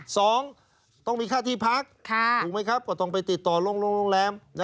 สองต้องมีค่าที่พักถูกไหมครับก็ต้องไปติดต่อโรงแรม